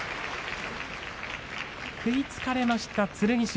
食いつかれました剣翔。